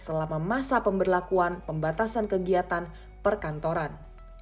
selama masa pemberlakuan pembatasan kegiatan perkantoran